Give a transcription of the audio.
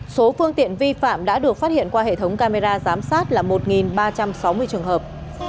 số phương tiện vi phạm đã được phát hiện qua hệ thống camera giám sát là một ba trăm sáu mươi trường hợp